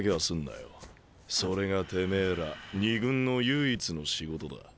それがてめえら２軍の唯一の仕事だ。